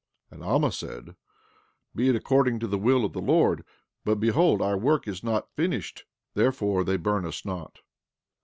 14:13 And Alma said: Be it according to the will of the Lord. But, behold, our work is not finished; therefore they burn us not.